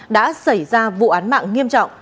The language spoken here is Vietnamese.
đã xảy ra vụ án mạng nghiêm trọng